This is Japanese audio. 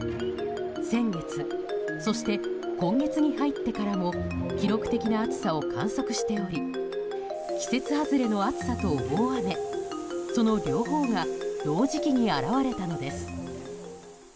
先月そして今月に入ってからも記録的な暑さを観測しており季節外れの暑さと大雨その両方が同時期に現れたのです。